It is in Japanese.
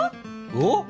おっ？